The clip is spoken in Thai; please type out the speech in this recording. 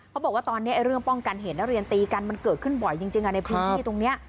บอกว่าตอนนี้เรื่องป้องกันเหตุนักเรียนตีกันมันเกิดขึ้นบ่อยจริงในพื้นที่ตรงนี้